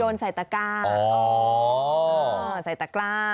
ยนต์ใส่ตากล้า